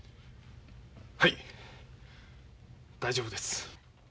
はい大丈夫です。